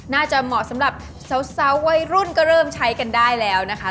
เหมาะสำหรับสาววัยรุ่นก็เริ่มใช้กันได้แล้วนะคะ